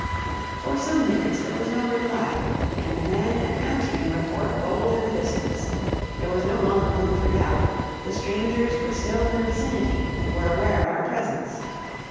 For some minutes there was no reply, and then an answering report rolled in the distance. There was no longer room for doubt; the strangers were still in the vicinity, and were aware of our presence.